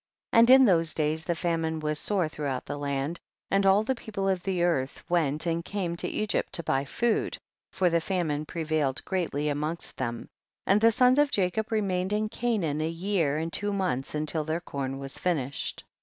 7. And in those days the famine was sore throughout the land, and all the people of the earth went and came to Egypt to buy food, for the famine prevailed greatly amongst them, and the sons of Jacob remained in Canaan a year and two months until their corn was finished.